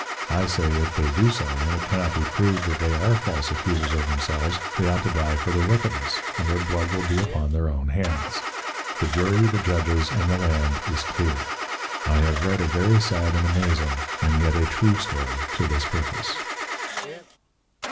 I say, if they do so, and it cannot be proved that they are false Accusers of themselves, they ought to dye for their Wickedness, and their Blood will be upon their own Heads; the Jury, the Judges, and the Land is Clear: I have read a very sad and amazing, and yet a true Story to this purpose.